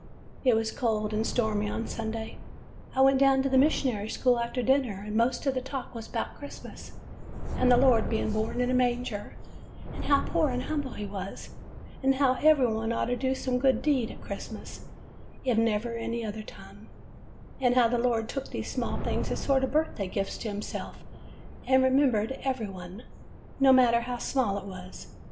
"It was cold and stormy on Sunday. I went down to the mission school after dinner, and most of the talk was 'bout Christmas, and the Lord being born in a manger, and how poor and humble he was; and how that every one ought to do some good deed at Christmas, if never any other time ; and how the Lord took these things as sort of birthday gifts to him self, and remembered every one, no matter how small it was.